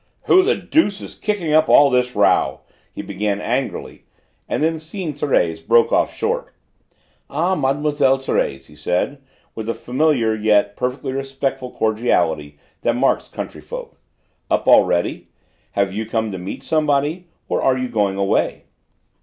"Who the deuce is kicking up all this row?" he began angrily, and then seeing Thérèse, broke off short. "Ah, Mademoiselle Thérèse," he said with the familiar yet perfectly respectful cordiality that marks country folk, "up already? Have you come to meet somebody, or are you going away?"